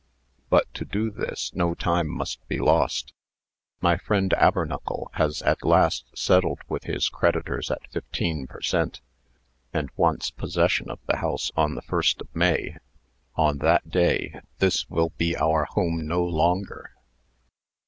"But, to do this, no time must be lost. My friend Abernuckle has at last settled with his creditors at fifteen per cent., and wants possession of the house on the 1st of May. On that day this will be our home no longer."